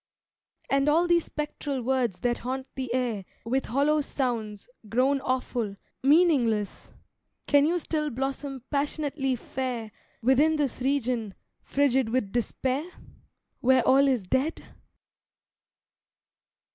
And all these spectral words that haunt the air With hollow sounds, grown awful, meaningless! Can you still blossom passionately fair Within this region, frigid with despair? Where all is dead?